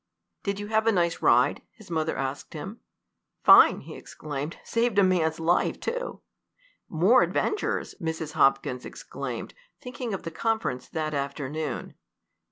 "Did you have a nice ride?" his mother asked him. "Fine!" he exclaimed. "Saved a man's life, too!" "More adventures!" Mrs. Hopkins exclaimed, thinking of the conference that afternoon.